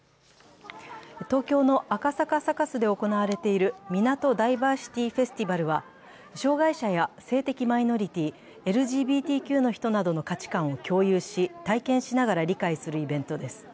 東京の赤坂サカスで行われているみなとダイバーシティフェスティバルは、障害者や性的マイノリティー＝ＬＧＢＴＱの人などの価値観を共有し体験しながら理解するイベントです。